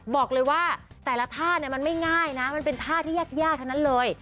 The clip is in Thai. บอกเลยว่าแต่ละท่าเนี่ยมันไม่ง่ายนะมันเป็นท่าที่ยากทั้งนั้นเลย